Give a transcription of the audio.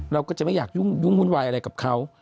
เราก็จะไม่อยากยุ่งวุ่นวายอะไรกับเขา